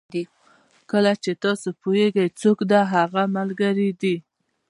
کله چې تاسو پوهېږئ څوک د هغه ملګري دي.